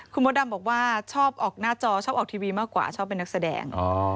คุณมดดำบอกว่าชอบออกหน้าจอชอบออกทีวีมากกว่าชอบเป็นนักแสดง